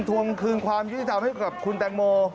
ทวงคืนความยุติธรรมให้กับคุณแตงโม